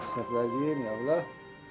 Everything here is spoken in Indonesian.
astagfirullahaladzim ya allah